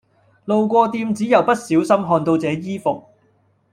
路過店子又不小心看到這衣服